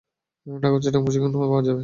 ঢাকা ও চট্টগ্রামে এ প্রশিক্ষণ পাওয়া যাবে।